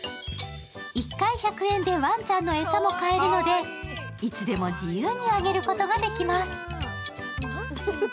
１回１００円でワンちゃんの餌も買えるので、いつでも自由にあげることができます。